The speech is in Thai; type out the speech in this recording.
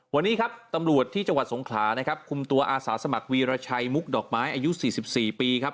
วันนี้ครับตำรวจที่จังหวัดสงขลานะครับคุมตัวอาสาสมัครวีรชัยมุกดอกไม้อายุ๔๔ปีครับ